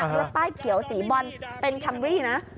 รถป้ายเขียวสีบอลเป็นคัมรี่นะ